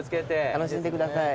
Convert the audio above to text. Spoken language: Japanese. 楽しんでください。